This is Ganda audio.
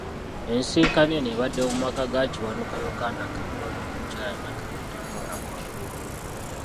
Ensisinkano eno ebadde mu maka ga Kiwanuka Yokana Kaggwa n'omukyala Nakabiito Norah Kaggwa.